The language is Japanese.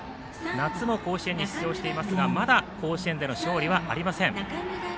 夏も甲子園に出場していますがまだ甲子園での勝利はありません。